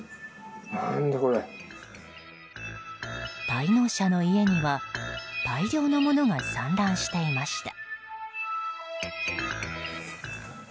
滞納者の家には大量の物が散乱していました。